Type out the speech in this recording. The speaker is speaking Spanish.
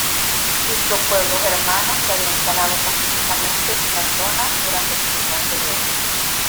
Dicho pueblo germano se había instalado pacíficamente en la zona durante el siglo anterior.